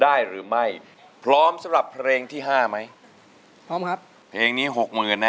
หรือไม่พร้อมสำหรับเพลงที่ห้าไหมพร้อมครับเพลงนี้หกหมื่นนะ